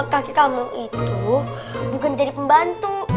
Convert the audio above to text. kaki kamu itu bukan jadi pembantu